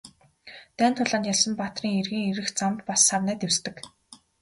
Дайн тулаанд ялсан баатрын эргэн ирэх замд бас сарнай дэвсдэг.